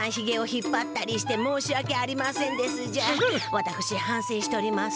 わたくし反せいしております。